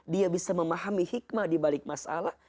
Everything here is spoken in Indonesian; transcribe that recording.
dia bisa memahami hikmah dibalik masalah